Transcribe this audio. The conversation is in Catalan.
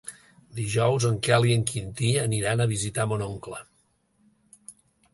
Dijous en Quel i en Quintí aniran a visitar mon oncle.